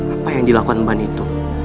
apa yang dilakukan ban itu